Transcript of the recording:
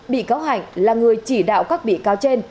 bị cáo hạnh là người chỉ đạo các bị cáo trên